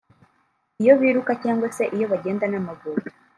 iyo biruka cyangwa se iyo bagenda n’amaguru